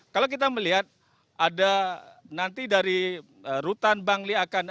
kalau kita melihat ada nanti dari rutan bangli akan